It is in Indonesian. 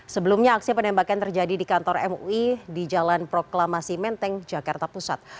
sebelumnya aksi penembakan terjadi di kantor mui di jalan proklamasi menteng jakarta pusat